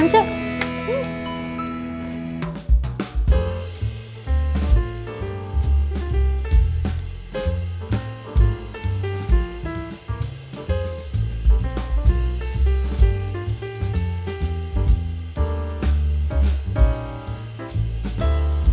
hmm enak kan ce